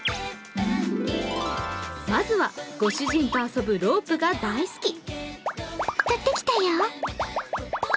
まずはご主人と遊ぶロープが大好き。